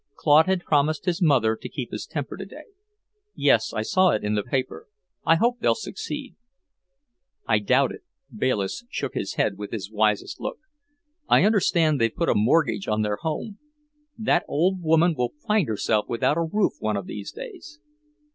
Claude had promised his mother to keep his temper today, "Yes, I saw it in the paper. I hope they'll succeed." "I doubt it." Bayliss shook his head with his wisest look. "I understand they've put a mortgage on their home. That old woman will find herself without a roof one of these days."